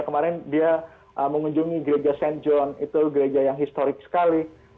kemarin dia mengunjungi gereja st john itu gereja yang historik sekali